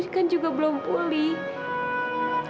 yangachus these manjeh